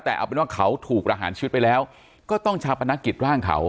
แต่เอาเป็นว่าเขาถูกประหารชีวิตไปแล้วก็ต้องชาปนกิจร่างเขา